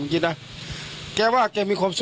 คฃษทั่วต่อ